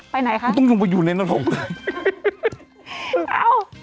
ไปไหนคะมึงต้องไปอยู่ในน้องลงเลย